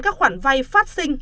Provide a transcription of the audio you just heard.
các khoản vay phát sinh